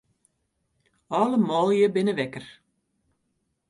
Alle manlju binne wekker.